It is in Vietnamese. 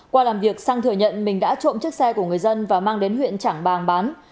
qua làm việc sang thừa nhận mình đã trộm chiếc xe của người dân và mang đến huyện trảng bàng bán